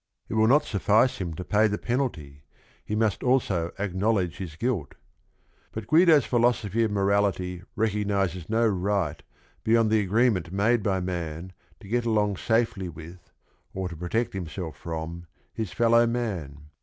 It will not suffice him to pay the penalty; he must also acknowledge his guilt. But Guido's philosophy of morality recognizes no right beyond the agreement made by man to get along safely with, or to protect himself from, his fellow man.